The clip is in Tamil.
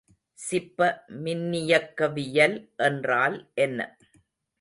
சிப்ப மின்னியக்கவியல் என்றால் என்ன?